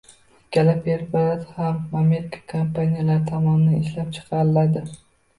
Ikkala preparat ham Amerika kompaniyalari tomonidan ishlab chiqariladi